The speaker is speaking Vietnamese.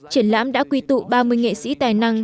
triển lãm đã quy tụ ba mươi nghệ sĩ tài năng